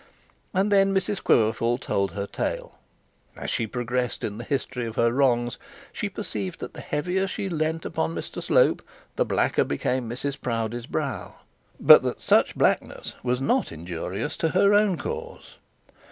And then Mrs Quiverful told her tale. As she progressed in the history of her wrongs she perceived that the heavier she leant upon Mr Slope the blacker became Mrs Proudie's brow, but that such blackness was not injurious to her own cause.